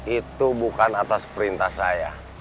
itu bukan atas perintah saya